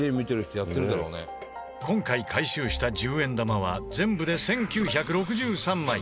今回回収した１０円玉は全部で１９６３枚。